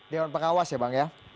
dewan pengawas ya bang ya